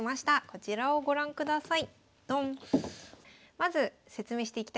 こちらをご覧ください。